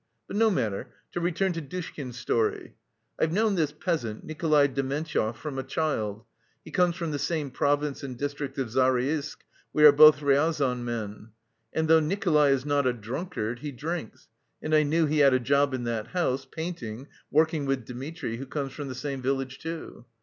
But no matter, to return to Dushkin's story. 'I've known this peasant, Nikolay Dementyev, from a child; he comes from the same province and district of Zaraïsk, we are both Ryazan men. And though Nikolay is not a drunkard, he drinks, and I knew he had a job in that house, painting work with Dmitri, who comes from the same village, too.